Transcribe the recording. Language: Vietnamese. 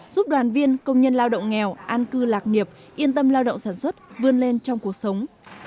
giúp đoàn viên công nhân lao động nghèo an cư lạc nghiệp yên tâm lao động sản xuất vươn lên trong cuộc sống